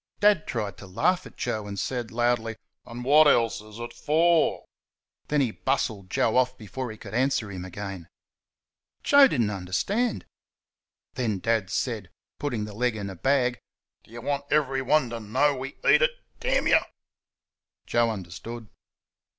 Dad tried to laugh at Joe, and said, loudly, "And what else is it for?" Then he bustled Joe off before he could answer him again. Joe did n't understand. Then Dad said (putting the leg in a bag): "Do you want everyone to know we eat it, you?" Joe understood.